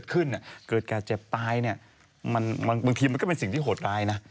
เบื้องกระเจ็บตายบางทีก็จะเป็นสิ่งที่โหดลายนะ